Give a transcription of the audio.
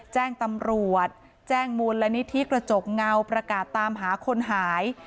แจ้งตำรวจแจ้งมูลนิธิกระจกเงาประกาศตามหาคนหาย